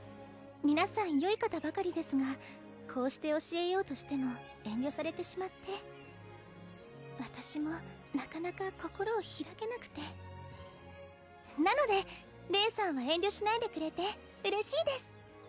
皆さん良い方ばかりですがこうして教えようとしても遠慮されてしまって私もなかなか心を開けなくてなのでレイさんは遠慮しないでくれて嬉しいです